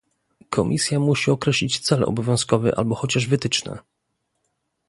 Komisja musi określić cel obowiązkowy albo chociaż wytyczne